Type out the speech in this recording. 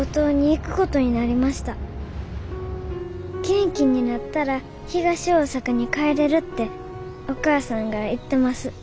元気になったら東大さかに帰れるっておかあさんが言ってます。